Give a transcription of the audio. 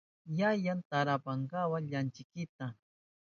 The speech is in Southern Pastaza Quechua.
Yayan tarawapayan lankwikita.